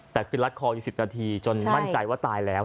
แต่ปิดลัดคอยสิบนาทีจนต้นใจว่าตายแล้ว